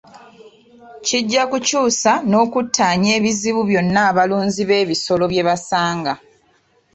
Kijja kukyusa n'okuttaanya ebizibu byonna abalunzi b'ebisolo bye basanga.